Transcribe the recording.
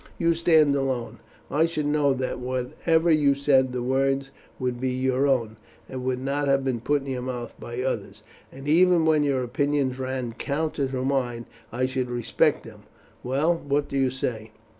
You stand alone, and I should know that whatever you said the words would be your own, and would not have been put in your mouth by others, and even when your opinions ran counter to mine I should respect them. Well, what do you say?"